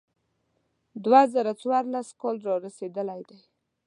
دوه زره څوارلسم کال را رسېدلی دی.